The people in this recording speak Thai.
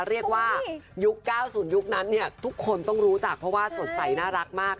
เรียกว่ายุค๙๐ยุคนั้นเนี่ยทุกคนต้องรู้จักเพราะว่าสดใสน่ารักมาก